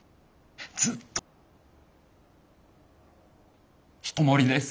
ずっとひきこもりです。